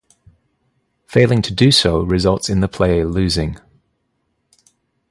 Failing to do so results in the player losing.